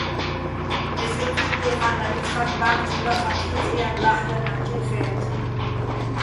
ესე წუ́ჲნლი ყანლა, იცხარნ ბა́კ ჩუ დახაჼ, ქინძ-რიანდ ლა́ჰ̦დანაჸ ჭირხე́თ.